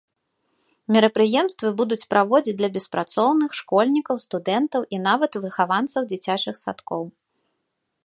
Мерапрыемствы будуць праводзіць для беспрацоўных, школьнікаў, студэнтаў і нават выхаванцаў дзіцячых садкоў.